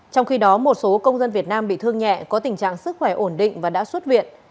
trong khi đó một số công dân việt nam bị thương nhẹ có tình trạng sức khỏe ổn định và đã xuất viện